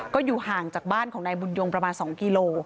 ก็อยู่ห่างจากบ้านของนายบุญยงประมาณ๒กิโล